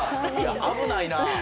危ないなあ。